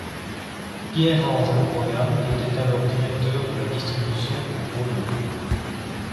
Pierre-Ange le Pogam était alors directeur de la distribution pour Gaumont.